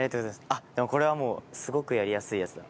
あっでもこれはすごくやりやすいやつだ。